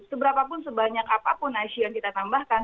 seberapapun sebanyak apapun icu yang kita tambahkan